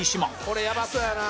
「これやばそうやな」